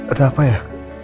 ada apa ya